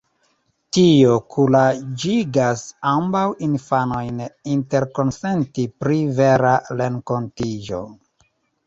Tio kuraĝigas ambaŭ infanojn interkonsenti pri "vera" renkontiĝo.